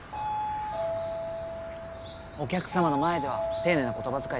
お客様の前では丁寧な言葉遣いでね。